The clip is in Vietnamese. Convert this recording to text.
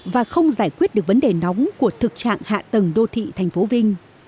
và không giải quyết được vấn đề nóng của thực trạng hạ tầng đô thị thành phố vinh